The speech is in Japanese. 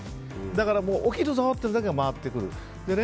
だから、起きるぞというのだけが回ってくる。